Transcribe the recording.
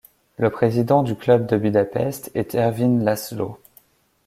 Le Président du Club de Budapest est Ervin Laszlo.